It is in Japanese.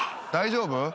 大丈夫？